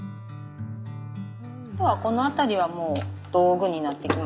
あとはこの辺りはもう道具になってきますね。